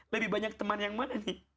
lebih banyak teman yang mana nih